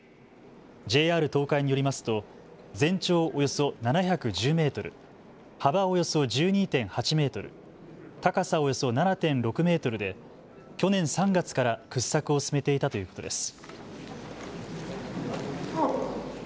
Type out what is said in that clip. ＪＲ東海によりますと全長およそ７１０メートル、幅およそ１２．８メートル、高さおよそ７．６メートルで去年３月から掘削を進めていたということです。